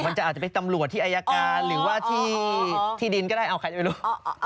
มันอาจจะไปตำรวจที่อายการหรือว่าที่ดินก็ได้เอาใครจะไปรู้